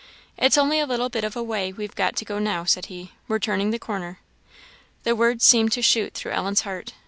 "It's only a little bit of way we've got to go now," said he; "we're turning the corner." The words seemed to shoot through Ellen's heart.